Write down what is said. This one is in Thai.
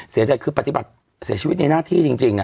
เสียใจคือปฏิบัติเสียชีวิตในหน้าที่จริง